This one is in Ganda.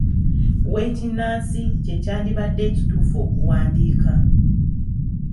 W’ekinnansi' kye kyandibadde ekituufu okuwandiika.